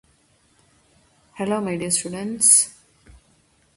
The rearing of animals is done both on Grande-Terre and Basse-Terre.